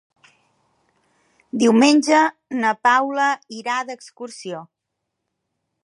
Diumenge na Paula irà d'excursió.